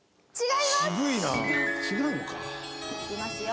いきますよ。